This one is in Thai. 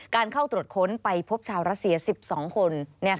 เข้าตรวจค้นไปพบชาวรัสเซีย๑๒คน